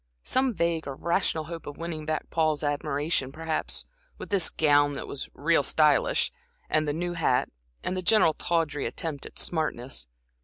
Some vague, irrational hope of winning back Paul's admiration, perhaps, with this gown that was "real stylish," and the new hat, and the general, tawdry attempt at smartness.